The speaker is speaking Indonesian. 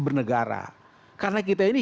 bernegara karena kita ini